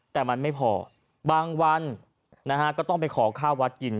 แต่มันไม่พอบางวันนะฮะก็ต้องไปขอข้าววัดกิน